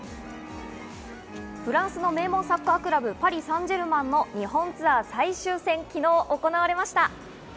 フランスの名門サッカークラブ、パリ・サンジェルマンの日本ツアー最終戦、昨日行われました。